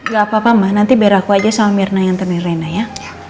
gak apa apa mah nanti biar aku aja sama mirna yang nganterin rena ya